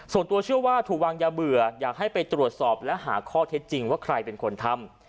ส่วนตัวเชื่อว่าถูกวางยาเบื่ออยากให้ไปตรวจสอบและหาข้อเท็จจริงว่าใครเป็นคนทำ